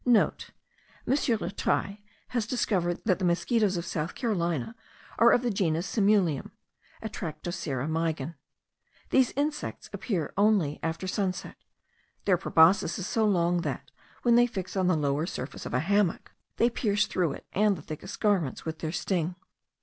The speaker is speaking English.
*(* M. Latreille has discovered that the mosquitos of South Carolina are of the genus Simulium (Atractocera meigen.) These insects appear only after sunset. Their proboscis is so long that, when they fix on the lower surface of a hammock, they pierce through it and the thickest garments with their sting.